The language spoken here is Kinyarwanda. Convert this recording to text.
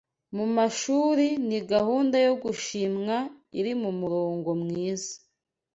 mu mashuri ni gahunda yo gushimwa iri mu murongo mwiza